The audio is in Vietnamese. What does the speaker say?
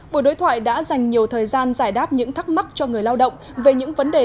buổi đối thoại đã dành nhiều thời gian giải đáp những thắc mắc cho người lao động về những vấn đề